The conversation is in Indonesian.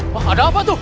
wah ada apa itu